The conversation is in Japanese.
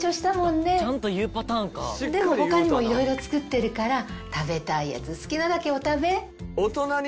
でも他にも色々作ってるから食べたいやつ好きなだけお食べ。